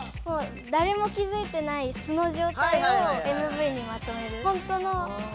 だれも気づいてない素のじょうたいをＭＶにまとめる。